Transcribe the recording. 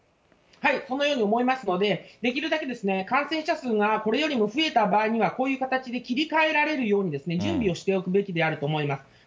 そのように思いますので、できるだけですね、感染者数がこれよりも増えた場合には、こういう形で切り替えられるように、準備をしておくべきであると思います。